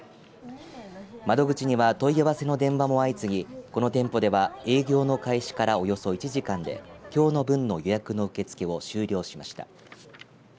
窓口には問い合わせの電話も相次ぎこの店舗では営業の開始からおよそ１時間できょうの分の予約の受け付けを終了しました。